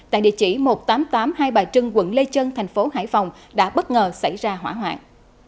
và trưng quận lê chân thành phố hải phòng đã bất ngờ xảy ra hỏa hoạn